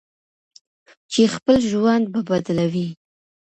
چې خپل ژوند به بدلوي.